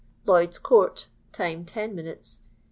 Lloyd's court (time, ten minutes), Z\d.